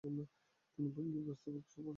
তিনি বঙ্গীয় ব্যবস্থাপক সভার সদস্য ছিলেন।